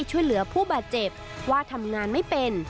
ช่วยเหลือผู้บาดเจ็บว่าทำงานไม่เป็น